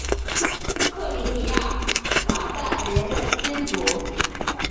克里米亚鞑靼人的先祖？